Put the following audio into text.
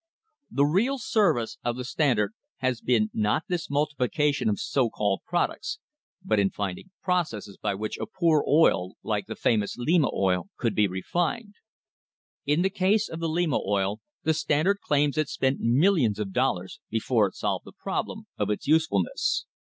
The real service of the Standard has been not this multiplication of so called prod ucts, but in rinding processes by which a poor oil like the famous Lima oil could be refined. In the case of the Lima oil the Standard claims it spent millions of dollars before it solved the problem of its usefulness.